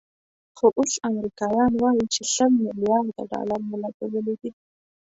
خو اوس امریکایان وایي چې سل ملیارده ډالر مو لګولي دي.